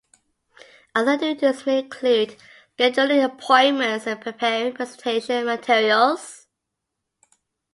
Other duties may include scheduling appointments and preparing presentation materials.